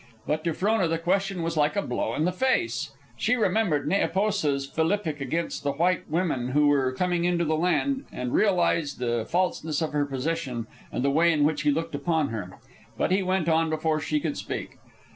But to Frona the question was like a blow in the face. She remembered Neepoosa's philippic against the white women who were coming into the land, and realized the falseness of her position and the way in which he looked upon her. But he went on before she could speak.